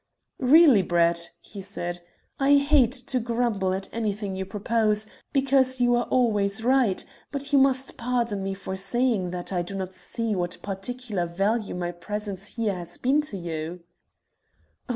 "Really, Brett," he said, "I hate to grumble at anything you propose, because you are always right; but you must pardon me for saying that I do not see what particular value my presence here has been to you."